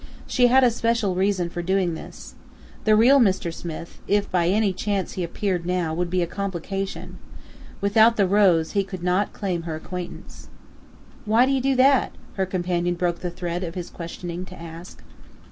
She had a special reason for doing this. The real Mr. Smith, if by any chance he appeared now, would be a complication. Without the rose he could not claim her acquaintance. "Why do you do that?" her companion broke the thread of his questioning to ask.